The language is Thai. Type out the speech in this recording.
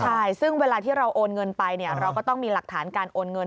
ใช่ซึ่งเวลาที่เราโอนเงินไปเราก็ต้องมีหลักฐานการโอนเงิน